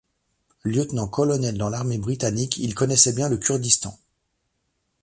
Lieutenant-colonel dans l’armée britannique, il connaissait bien le Kurdistan.